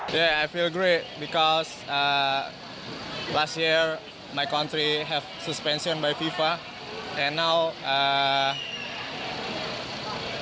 และให้การได้รับมากที่เยี่ยมในตอนแรก